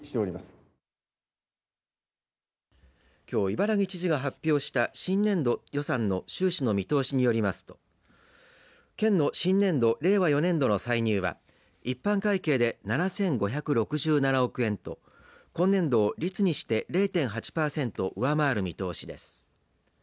きょう、伊原木知事が発表した新年度予算の収支の見通しによりますと県の新年度、令和４年度の歳入は一般会計で７５６７億円と今年度を率にして０．８パーセント上回る見通しです。